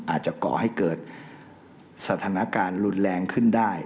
ก่อให้เกิดสถานการณ์รุนแรงขึ้นได้